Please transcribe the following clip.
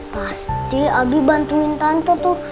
pasti albi bantuin tante tuh